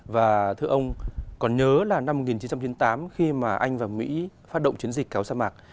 và thưa ông còn nhớ là năm một nghìn chín trăm chín mươi tám khi mà anh và mỹ phát động chiến dịch kéo sa mạc